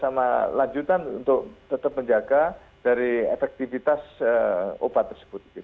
sama lanjutan untuk tetap menjaga dari efektivitas obat tersebut